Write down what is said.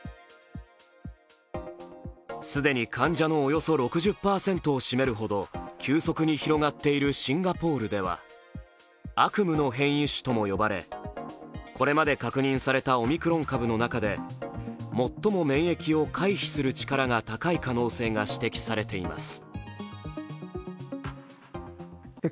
既に患者のおよそ６０％を占めるほど急速に広がっているシンガポールでは、悪夢の変異種とも呼ばれこれまで確認されたオミクロン株の中で最も免疫を回避する力が高い可能性が指摘されています。